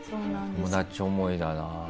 友達思いだな。